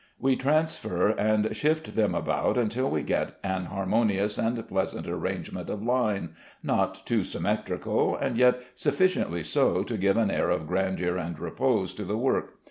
We transfer and shift them about until we get an harmonious and pleasant arrangement of line, not too symmetrical, and yet sufficiently so to give an air of grandeur and repose to the work.